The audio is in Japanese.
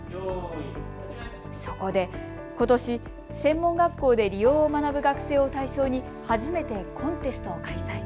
そこでことし専門学校で理容を学ぶ学生を対象に初めてコンテストを開催。